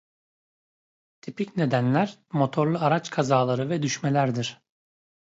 Tipik nedenler motorlu araç kazaları ve düşmelerdir.